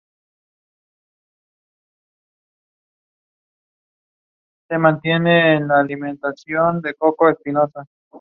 El último lugar descendió a Primera B, en primera instancia junto a Deportes Concepción.